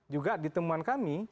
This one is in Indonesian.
juga ditemuan kami